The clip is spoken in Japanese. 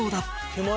「手前？」